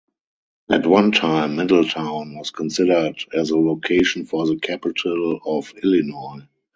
At one time, Middletown was considered as a location for the capital of Illinois.